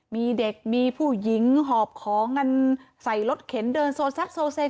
มีเด็กมีผู้หญิงหอบของกันใส่รถเข็นเดินโซซักโซเซ